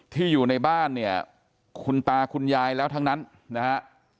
อยู่ในบ้านเนี่ยคุณตาคุณยายแล้วทั้งนั้นนะฮะ